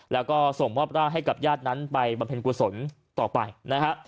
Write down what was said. และส่งวอบร่าให้กับญาตินั้นไปบรรเภนกวสลต่อไป